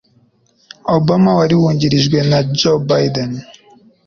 Obama wari wungirijwe na Joe Biden.